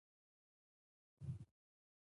د سولې لپاره زغم اړین دی